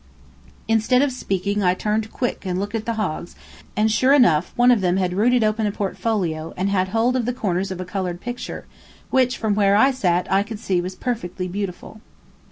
Instead of speaking I turned quick and looked at the hogs, and there, sure enough, one of them had rooted open a portfolio and had hold of the corners of a colored picture, which, from where I sat, I could see was perfectly beautiful.